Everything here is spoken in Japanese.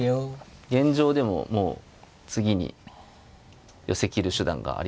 現状でももう次に寄せきる手段がありそうですね。